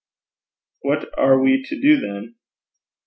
'What are we to do, then?'